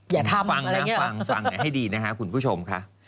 อย่าทำอะไรอย่างนี้หรอฟังให้ดีนะคะคุณผู้ชมค่ะ